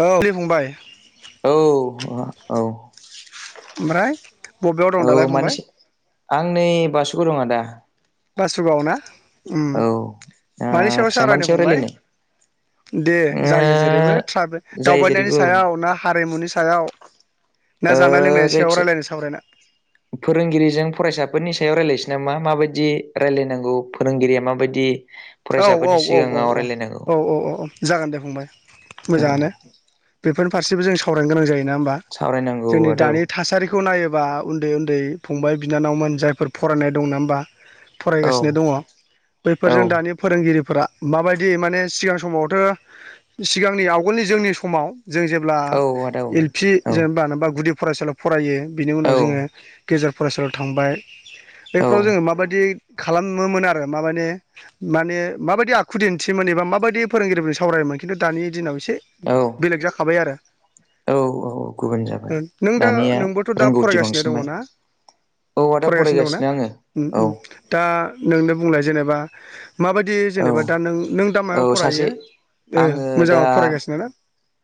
औ फंबाय। औ औ ओमफ्राय बबेयाव दं औ दालाय मान फंबाय [unintelligible] आं नै बासुगावाव आदा बासुगाव ना ओ‌ औ मानि सायाव आदसा मानि सारायनो सायाव फंबाय रायलायनो दे ओ जायो जेरैबो ट्रैवल जायो दावबायनायनि जेरैबो सायाव औ ना हारिमुनि सायाव ना ओ जानाय लोंनायनि सायाव रायलायनो सावरायनो जायखिाया फोरोंगिरिजों फरायसाफोरनि सा याव रायज्लायनोसै नामा माबायदि रायजलायनांगौ फोरोंगिरिया माबायदि औ औ औ औ फरायसाफोरनि औ सिगाङाव रायलायनांगौ औ औ औ औ। जागोन दे फंबाय औ मोजाङानो बेफोरनि फारसेबो जों सावरायनो गोनां जायो नङा होनबा सावरायनांगौ जोंनि आदा औ दानि थासारिखौ नायोबा उन्दै उन्दै फंबाय बिनानावमोन जायफोर फरायनाय दं नङा होनबा फरायगासिनो दङ औ बैफोरजों दानि फोरोंगिरिफोरा माबायदि माने सिगां समावथ' सिगांनि आवगोलनि जोंनि समाव जों जेब्ला औ आदा औ एल पि औ जेनेबा गुदि फरायसालियाव फरायो बिनि औ उनाव जोङो गेजेर फरायसालियाव थांबाय औ बेफ्राव जोङो माबायदि खालामोमोन आरो मामाने माने माबायदि आखु दिन्थियोमोन एबा माबायदि फोरोंगिरिफोरजों सावरायोमोन खिन्थु दानि दिनाव एसे औ बेलेग जाखाबाय आरो औ गुबुन जाबाय नों दा दानिया नोंबोथ' दा रोंगौथि फरायगासिनो दङ बांसिनबाय ना औ आदा फरायगासिनो दंना आङो औ दा उ उ नोंनो बुंलाय जेनेबा माबायदि औ जेनेबा दा नों नों दा औ मायाव सासे फरायो आङो दा मोजाङाव फरायगासिनो ना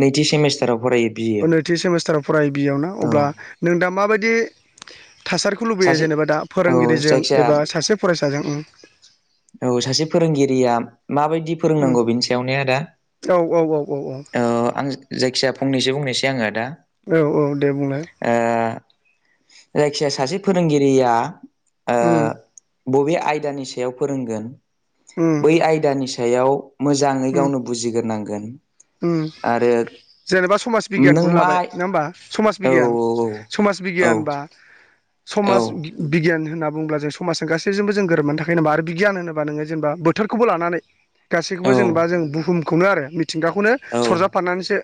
नैथि सेमिस्टाराव फरायो बिए आव नैथि सेमिस्टाराव फरायो बियाव ना औ अब्ला नों दा माबायदि थासारिखौ लुबैयो सासे जेनेबा दा औ फोरोंगिरिजों जायखिजाया एबा सासे फरायसाजों औ सासे फोरोंगिरिया माबायदि उम फोरोंनांगौ बिनि सायाव ने आदा। औ औ औ औ ओ आं जायखिया फंनैसो बुंनोसै आङो दा औ औ दे बुंलाय ओ जायखिया सासे फोरोंगिरिया ओ उम बबे आयदानि सायाव फोरोंगोन उम बै आयदानि सायाव मोजांङै उम गावनो बुजिगोरनांगोन उम जेनेबा समाज नों बिगियानखौनो मा लाबाय नंङा होमबा समाज औ बिगियान औ समाज औ बिगियान औ बा औ समाज बि बि बिगियान होनना बुंङोब्ला जों समाजजों गासैजोंबो जों गोरोबनानै थाखायो नामा आरो बिगिय होनोबा नोंङो जेनेबा बोथोरखौबो लानानै गासैखौबो जेनेबा जों बुहुमखौनो आरो मिथिंगाखौनो औ सरजाबफानानैसो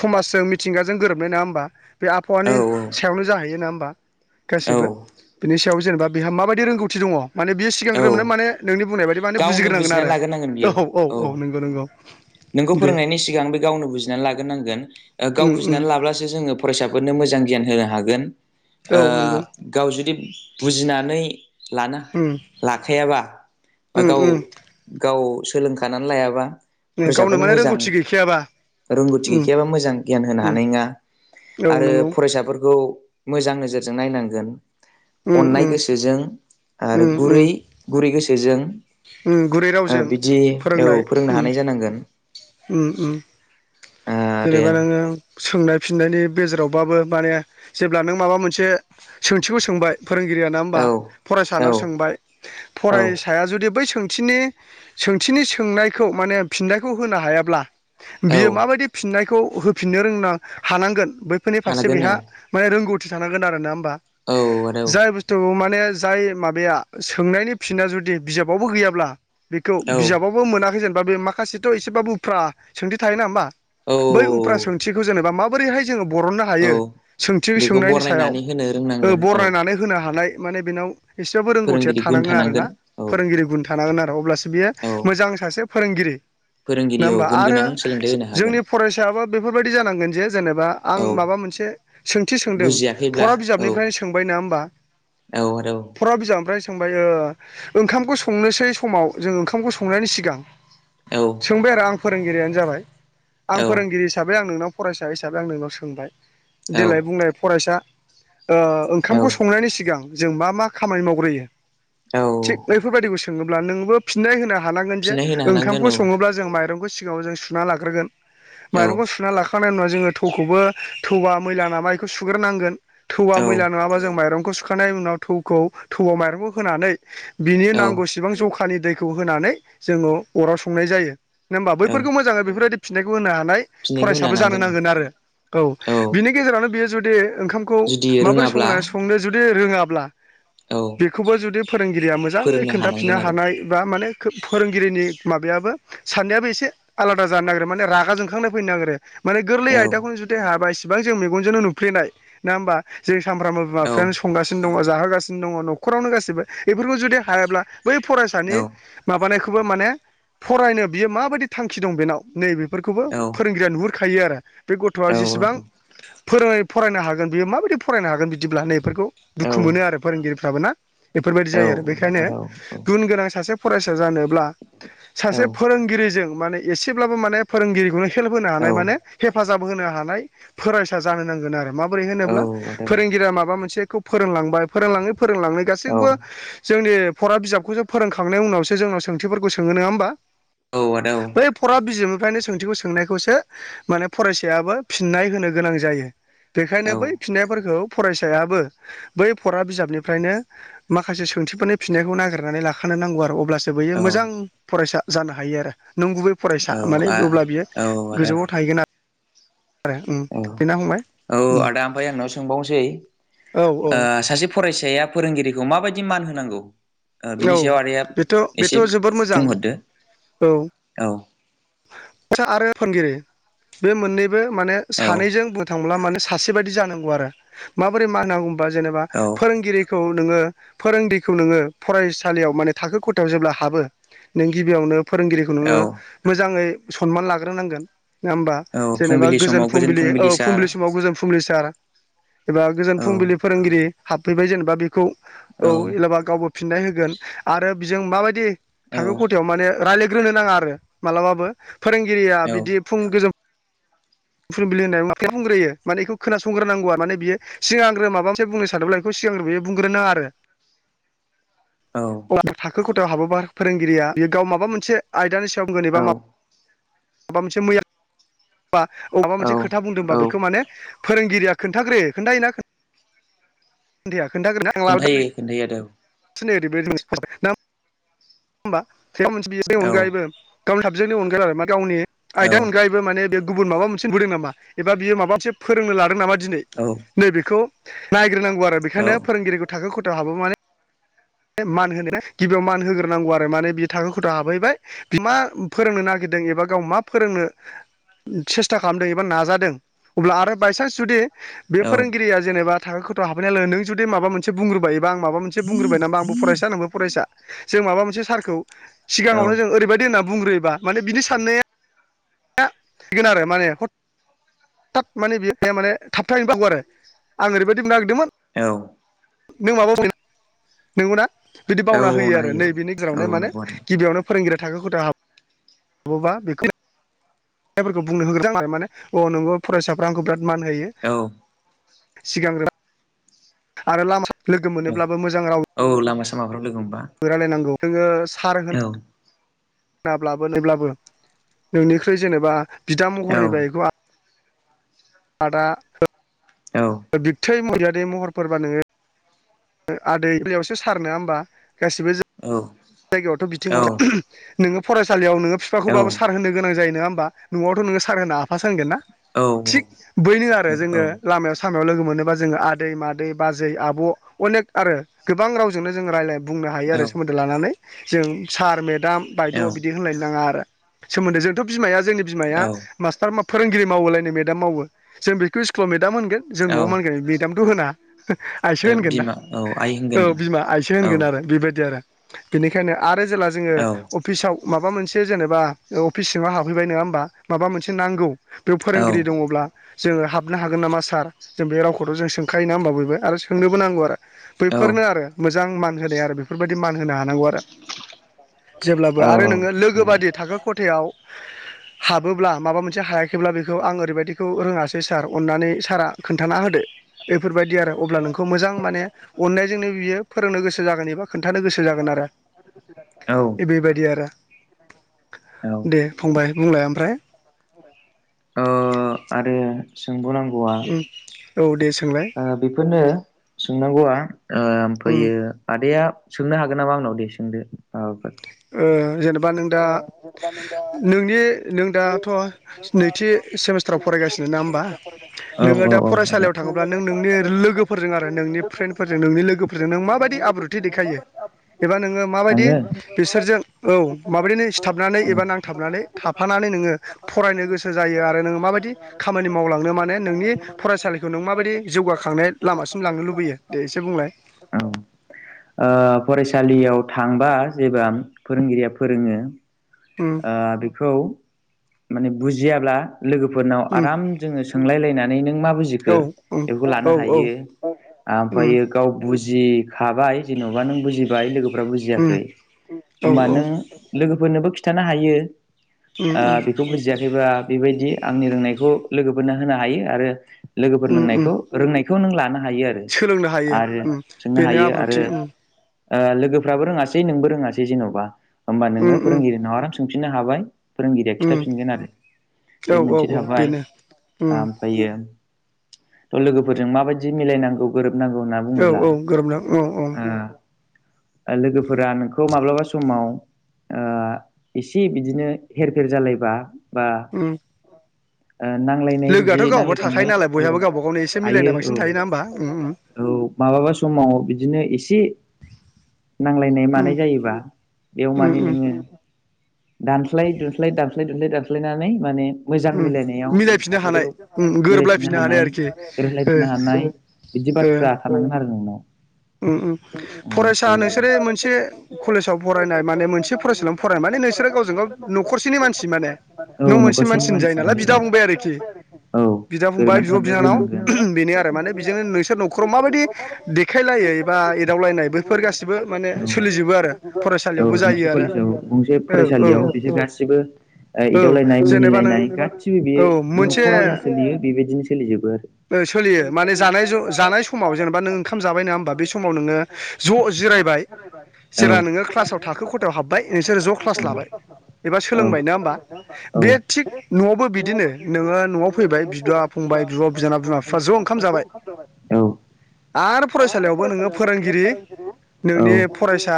समाजजों मिथिंगाजों गोरोबनाय नोंङा होमबा बे औ आबहावानि सायावनो जाहैयो नोंङा होमबा औ गासिबो बिनि सायाव जेनेबा बेहा माबायदि रोंगौथि दंङ माने बियो सिगांग्रोमोनो औ माने नोंनि बुंनाय बायदि माने गावनो बुजिग्रोनांगोन बुजिनानै आरो लाग्रोनांगोन बियो औ औ औ नंगौ नंगौ नोंखौ दे फोरोंनायनि सिगां बे गावनो बुजिनानै लाग्रोनांगोन ओ गाव उम उम बुजिनानै लाब्लासो जोंङो फरायसाफोर नो मोजां गियान होनो हागोन औ ओ नंगौ गाव जुदि बुजिनानै लानो उम लाखायाबा उम गाव उम गाव सोलोंखानानै लायाबा गावनो फोसाबोनो माने मोजां रोंगौथि गैखायाबा रोंगौथि उम गैखायाबा मोजां गियान होनो उम हानाय नोंङा औ आरो नंगौ फरायसाफोरखौ मोजां नोजोरजों नायनांगोन उम अननाय गोसोजों आरो उम गुरै उम गुरै गोसोजों उम गुरै ओ रावजों बिदि औ फोरोंनाय फोरोंनो उम हानाय जानांगोन उम उम आरो जेनेबा नोंङो सोंनाय फिननायनि गेजेरावबाबो माने जेब्ला नों माबा मोनसे सोंथिखौ सोंबाय फोरोंगिरिया नोंङा होमबा औ फरायसानाव औ सोंबाय औ फरायसाया जुदि बै सोंथिनि सोंथिनि सोंनायखौ माने फिननायखौ होनो हायाब्ला औ बियो माबायदि फिननायखौ होफिननो रोंना हानांगोन बैफोरनि फारसे हानांगोन बेहा औ माने रोंगौथि थानांगोन आरोना नोंङा होमबा औ आदा औ जाय बुस्थुखौ माने जाय माबाया सोंनायनि फिना जुदि बिजाबावबो गैयाब्ला बेखौ औ बिजाबावबो मोनाखै जेनब बा बे बा माखासे एसेबाबो उफ्रा सोंथि थायोना बा औ बै उफ्रा सोंथिखो जेनेबा माबोरैहाय जो बरननो औ हायो सोंथि बेखौ सोंनायनि सायाव बरनायनानै होनो ओ रोंनांगोन औ बरनायनानै होनो हानाय माने बेनाव एसेबाबो रोंगौथिया फोरोंगिरि गुन थानांगोन आरो ना औ फोरोंगिरि गुन थानांगोन आरो अब्लासो बेयो औ मोजां सासे फोरोंगिरि नोंङा फोरोंगिरियाव होमबा गुन आरो गोनां सोलोंथाइ होनो हागोन जोंनि फरायसायाबो बेफोरबायदि जानांगोन जे जेनेबा औ आं माबा मोनसे सोंथि सोंदों बुजियाखैब्ला फरा औ बिजाबनिफ्रायनो सोंबाय नंङा होमबा [unintelligible] फरा बिजाबनिफ्राय सोंबाय ओ ओंखामखौ संनोसै समाव जों ओंखामखौ संनायनि सिगां औ सोंबाय आरो आं फोरोंगिरियानो जाबाय आं फोरोंगिरि हिसाबै आं नोंनाव फरायसा हिसाबै आं नोंनाव सोंबाय औ देलाय बुंलाय फरायसा ओ ओंखामखौ औ संनायनि सिगां जों मा मा खामानि मावग्रोयो औ थिग बेफोरबायाददिखौ सोंङोब्ला नोंबो फिननाय होनो हानांगोन जे फिननाय होनो हानांगोन ओंखामखौ औ संङोब्ला जों माइरं सिगांङाव जों सुना लाग्रोगोन औ माइरंखौ सुना ला सुखांनाय उनाव जोंङो थौखौबो थौआ मैला नामा बेखौ सुग्रोनांगोन थौआ मैला औ नंङाबा जों माइं खौ सुखांनायनि उनाव थौखौ थौआव माइरंखौ होनानै बिनि औ नांगौसेबां जखानि दैखौ होनानै जोंङो अराव संनाय जायो। ना होनबा औ बैफोरखौ मोजांङो बेफोरबायदि फिनायखौ होनो हा नाय फिननायखौ होनो फरायसाबो जानो हानांगोन नांगोन औ आरो औ बिनि गेजेरावनो बेयो जुदि ओंखामखौ जुदि माबोरै रोङाब्ला संनानै संनो जुदि रोंङाब्ला औ बेखौबो जुदि फोरोंगिरिया मोजांङै फोरोंनो खोन्थाफिननो हानांगोन हानाय बा माने फोरोंगिरिनि माबायाबो साननायाबो एसे आलादा जानो नागिरो माने रागा जोंखांनाय फैनो नागिरो माने गोरलै आरो आयदाखौनो जुदि हायाबा इसेबां जों मेगनजोंनो नुफ्लेनाय नंङा होमबा जों सानफ्रामबो बिमा औ बिफायानो संगासिनो दंङ जाहोगासिनो दंङ न'खरावनो गासिबो बेफोरखौ जुदि हायाब्ला बै फरायसानि औ माबानायखौबो माने फरायनो बियो माबायदि थांखि दं बेनाव नैबे फोरफोरखौबो फोरोंगिरिया नुहुरखायो आरो बे गथ'आ जेसेबां फोरोंङै फरायनो हागोन बेयो माबायदि फरायनो हागोन बिदिब्ला नै बेफोरखौ औ दुखु मोनो आरो फोरोंगिरिफ्राबो ना। बेफोरबायदि औ जायो आरो बेखायनो आदा गुन औ गोनां सासे फरायसा जानोब्ला औ सासे फोरोंगिरि जों माने इसेब्लाबो माने फोरोंगिरिखौनो हेल्प होनो हानाय माने हेफाजाब होनो हानाय फोरायसा जा जानो नांगोन आरो माबोरै औ आदा औ होनोब्ला आदा औ आ फोरोंगिरिया माबा मोनसेखौ फोरोंलांबाय फोरोंलांङै फोरोंलांङै गासै थिगबो जोंनि फरा बिजाबखौसो फोरोंखांनायनि उनावसो जोंनाव सोंथिफोरखौ सोङो नङा होमबा । औ आदा औ । फरा बिजोबनिफ्रायनो सोंथिखौ सोंनायखौसो माने फरायसायाबो फिननाय होनो गोनां जायो । बेखायनो बै फिननायफोरखौ फरायसायाबो बै फरा बिजाबनिफ्रायनो माखासे सोंथिफोरनि फिननायखौ नागिरनानै लाखानो नांगौ आरो अब्लासो बैयो मोजां फरायसा जानो हायो आरो नंगुबै फरायसा माने अब्ला बियो गोजौआव थाहैगोन आरो । औ [unintelligible] औ आदा ओमफ्राय आंनाव सोंबावनोसै औ औ ओ सासे फरायसाया फोरोंगिरि खौ माबायदि मान होनांगौ? ओह बिनि औ सायाव आदाया बेथ' एसे बेथ' जोबोद मोजां बुंहरदो औ औ । [unintelligible] बे मोननैबो माने औ सानैजों बुंनो थांब्ला माने सासेबायदि जानांगौ आरो माबोरै मा होनना बुंबा जेनबा औ फोरोंगिरि खौ नोङो फोरोंगिरिखौ नोङो फरायसालियाव माने थाखो खथायाव जेब्ला हाबो नों गिबियावनो फोरोंगिरिखौ नोङो औ मोजाङै सनमान लाग्रोनांगोन नङा होमबा औ जेनेबा फुंबिलि समाव गोजोन फुंबिलि औ सार फुंबिलि समाव गोजोन फुंबिलिसार एबा गोजोन औ फुंबिलि फोरोंगिरि हाबफैबाय जेनेबा बेखौ औ एलाबा गावबो फिननाय होगोन आरो बिजों माबायदि औ थाखो खथायाव माने रायज्लायग्रोनो नाङा आरो मालाबाबो फोरोंगिरिया बिदि फुं गोजौ फुंबिलि होननायाव [unintelligible] बुंग्रोयो माने एखौ खोनसंग्रोनांगौ आरो माने बि सिगांग्रो माबा मोनसे बुंनो सानोब्ला बेखौ सिगांनो बेयो बुंग्रो नाङा आरो । औ अब्ला थाखो खथायाव हाबोबा फोरोंगिरिया बेयो गाव माबा मोनसे आयदानि औ सा [unintelligible] माबा मोनसे मैया बा माबा औ मोनसे खोथा बुंदोंबा औ बेखौ माने फोरोंगिरिया खोन्थाग्रोयो खोन्थायोना खोनथाया? खोन्थायो खोन्थायो आदा । [unintelligible] [unintelligible] औ गावनि आयदा औ अनगायैबो माने बे गुबुन माबा मोनसे नुदों नामा एबा बियो माबा मोनसे फोरोंनो लादों नामा दिनै औ नैबेखौ नायग्रोनांगौ आरो औ औ बेखायनो फोरोंगिरिखौ थाखो खथाव हाबो माने मान होनो गिबियाव मान होग्रोनांगौ आरो माने बि थाखो खुथा हाबहैबाय बि मा फोरोंनो नागिर दों एबा गाव मा फोरोंनो सेस्था खालामदों एबा नाजादों अब्ला आरो बायसान्स जुदि बे औ फोरोंगिरिया जेनेबा थाखो खथा हाबैनाय लोगो नों जुदि माबा मोनसे बुंग्रोबाय एबा आं माबा मोनसे बुंग्रोबाय नामा आं बो फरायसा नोंबो फरायसा जों माबा मोनसे‌‌ सारखौ औ सिगाङावनो‌ जों ओरैबादि होनना बुंग्रोयोबा माने बिनि साननाया [unintelligible] गोन आरो माने थाब माने लिरनाया माने थाबथाहैनोबो हागौ आरो आं ओरैबायदि बुंनो नागिरदोंमोन औ । नों माबा [unintelligible] नोंगौना । बिदि बावना औ होयो आरो नायो नैबेनि औ गेजेरावनो माने नंगौ आदा गिबियावनो फोरोंगिरि थाखो खथायाव हाबोबा बेखौ जायफोरखौ बुंनो होग्रोदों आरो माने अ नोंगौ फरायसाफ्रा आंखौ बिराद मान होयो औ । सिगांग्रो आरो लामा लोगो औ मोनोब्लाबो मोजां राव औ लामा सामाफ्राव लोगो मोनबा रायलायनांगौ जोङो सार होन औ ब्लाबो नैब्लाबो नोंनिख्रुइ जेनेबा बिदा औ महरनि बा इखौ आ आदा होन औ बिबथै बियादै महरफोरबा नोङो आदै बेलेगयावसो सार नोङा होमबा गासिबो औ जायगायावथ बिथिं औ हरो नोङो फरायसालियाव नोङो फिफाखौबाबो सार होननो गोनां जायो नङा होमबा नआवथ नों सार होना आफा सो होनगोन ना थिग बैनो आरो जोङो लामायाव सार सामायाव लोगो मोनोबा जोङो आदै मादै बाजै आब अनेक आरो गोबां रावजोंनो जों रायलाय बुंनो हायो आरो सोमोन्दो लानानै जों सार मेदाम बायद बिदि होनलायनो नाङा आरो सोमोन्दो जोंथ बिमाया जोंनि बिमाया औ मास्टार मा फोरोंगिरि मावोलाय नो मेदाम मावो जों बेखौ स्कुलाव मेदाम ओनगोन जों नआव मा औ ओनगोन मेदामथ होना आइसो होनगोन ना बिमा औ आइ होनगोन औ दे बिमा आइसो औ होनगोन आरो बेबायदि आरो बेनिखायनो आरो जेला जोङो अफिसाव माबा मोनसे एसे जेनेबा अफिस सिङाव हाबैबाय नङा होमबा माबा मोनसे नांगौ बेयाव औ फोरोंगिरि दङब्ला जोङो हाबनो हागोन नामा सार जों बे रावखौथ जों सोंखायो ना होमबा बयबो आरो सोंनोबो नांगौ आरो बैफोरनो आरो मोजां मान होनाय आरो बेफोरबायदि मान होनो हानांगौ आरो जेब्लाबो औ आरो नोङो लोगो बादि थाखो खथायाव [unintelligible] [inaudible] हाबोब्ला माबा मोनसे हायाखैब्ला बेखौ आं ओरैबायदिखौ रोङासै सार अननानै सारा खोन्थाना होदो बेफोरबायदि आरो अब्ला नों खौ मोजां माने अननायजोंनो बियो फोरोंनो गोसो जागोन एबा खोन्थानो गोसो जागोन आरो औ बेबायदि आरो औ ओ दे फंबाय बुंलाय ओमफ्राय आरो सोंब नांगौआ औ दे सोंलाय ओ‌ बेफोरनो सोंनांगौआ ओमफैयो ओ आदाया सोंनो हागोन नामा आंनाव दे सोंदो माबाफोर ऐ जेनेबा नों दा नोंनि नों दाथ‌ नैथि सेमेस्टाराव फरायगासिनो ना होमबा औ नोङो दा औ आदा फरायसालियाव थाङोब्ला नों नोंनि लोगोफोरजों आरो नोंनि फ्रेन्डफोरजों नोंनि लोगोफोरजों नों माबायदि आब्रुथि देखायो एबा नोङो माबायदि आङो बिसोरजों औ माब्रैनो सिथाबनानै एबा नांथाबनानै थाफानानै नोङो फरायनो गोसो जायो आरो नोङो माबायदि खामानि मावलांनो माने नोंनि फरायसालिखौ नों माबायदि जौगाखां खांनाय लामासिम लांनो लुबैयो दे एसे बुंलाय दैयाव थांबा जेबा फोरोंगिरिया फोरोङो उम ओ बेखौ माने बुजियाब्ला लोगोफोरनाव उम आराम जोङो सोंलाय लायनानै नों मा औ बुजिखो उम लानै औ औ हायो उम आमफायो गाव बुजियिखौ हाबाय जेनबा नों बुजिबाय लोगोफोरा उम बुजियाखै औ होमबा औ नों लोगोफोरनोबो खिथानो हायो उम ओ उम बेखौ बुजियाखैबा बेबायदि आंनि रोंनायखौ लोगोफोरनो होनो हायो आरो लोगोफोर उम रोंनायखौ उम नायखौ नों लानो हायो सोलोंनो हायो आरो उम सोंनो बेनो हायो आरो आब्रुथि उम लोगोफ्राबो रोङासै नोंबो रोङासै जेन'बा होमबा उम नोङो उम फोरोंगिरिनाव आराम सोंफिननो हाबाय। फोरोंगिरिया उम खिन्थाफिनगोन आरो औ बे औ मोनसे औ थाबाय बेनो उम ओमफ्रायो थ लोगोफोरजों माबायदि मिलायनांगौ गोरोबनांगौ होनना औ बुङोब्ला औ ओ गोरोबनो औ औ ओ लोगोफोरा नोंखौ माब्लाबा समाव ओ इसे बिदिनो हेर फेर जालायबा बा उम ओ नांलायनाय लोगोआथ' बिदि गावबा थाखायो नांलायखांनाय नालाय औ बयहाबो गावबा गावनो एसे । मिलायनाय हायो औ बांसिन थायोना होमबा उम औ माबाबा समाव बिदिनो एसे। नांलायनाय उम मानाय जायोबा बेयाव उम माने उम नोङो दानस्लाय दुस्लाय दानस्लाय दुस्लाय दानस्लायनानै माने मोजां उम मिलायनायाव बिदि मिलायफिननो हानाय थासारियाव उम मिलायफिननो गोरोबलायफिननो हानाय आरोखि ओ गोरबलायफिननो हानाय बिदि ओ बाथ्रा थानांगोन आरो नोंनाव। उम उम फरायसा ओमफ्रायो नोंसोरो मोनसे कलेजाव फरायनाय माने मोनसे फरायसालियावनो फराय माने नोंसोरो गावजों गाव न'खरसेनि मानसि माने न' औ मोनसे न'खरसेनि मानसिनि जायो मानसि नालाय बिदा फंबाय आरोखि औ बिदा फंबाय गोरोबनानै बिब' थानो बिनानाव रोंनांगोन बेनो आरो माने बेजोंनो नोंसोर न'खराव माबायदि दे खायलायै एा एदावलायनाय बैफोर गासैबो माने औ सोलिजोबो आरो आरो औ फरायसालियावबो गंसे जायो आरो। कलेजाव गंसे औ औ फरायसालियाव बिसोर गासिबो औ एदावलायनाय जेनेबा नों मिनिलायनाय गासिबो औ बेयो मोनसे न'खर राव जा सोलियो बेबायदिनो सोलिजोबो ओ सोलियो माने जानाय ज' जानाय समाव जेनेबा नों । ओंखाम जाबाय नोंङा होमबा बे समाव नोङो ज' जिरायबाय। आरो जेला औ नोङो क्लासाव थाखो खथायाव हाबबाय नोंसोरो ज' क्लास लाबाय। एबा सोलोंबाय नोंङा होमबा बे थिग न'आवबो बिदिनो नोङो न'आव फैबाय बिदा फंबाय बिब' बिनानाव बिमा बिफ्रा ज' ओंखाम जाबाय। आरो फरायसालियावबो नोङो फोरोंगिरि नोंनि फरायसा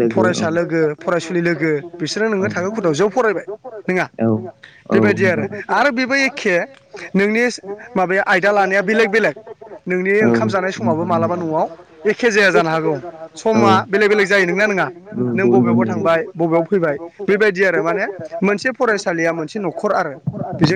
लोगो फरायसुलि फरायसा लोगो ओ फरायसुलि लोगो बिसोरो नोङो थाखो खथायाव‌ ज‌'फरायबाय नोंङा? फरायबाय नोङा बेबायदि आरो आरो बेबो एखे नोंनि माबाया आयदा लानाया बेलेग बेलेग नोंनि समा ओंखाम जानाय स समाबो मालाबा न'आव एखे जाया जानो हागौ समा बेलेग बेलेग जायो नोंगोना नोंङा नों बबेबा बबा थांबाय बबेयाव फैबाय बेबायदि आरो माने मोनसे फरायसालिया मोनसे न'खर आरो। बिजों